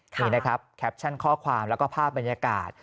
นี่นะครับแคปชั่นข้อความแล้วก็ภาพบรรยากาศ